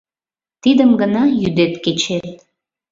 Тидым гына йӱдет-кечет